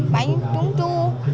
bánh trung thu